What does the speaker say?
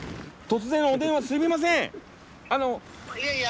突然お電話すみません。